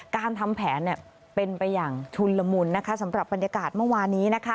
การทำแผนเป็นไปอย่างชุนละมุนนะคะสำหรับบรรยากาศเมื่อวานนี้นะคะ